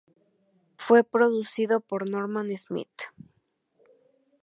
Fue producido por Norman Smith.